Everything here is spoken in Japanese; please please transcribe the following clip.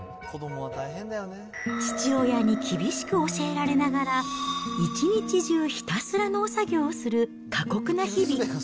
父親に厳しく教えられながら、一日中ひたすら農作業をする過酷な日々。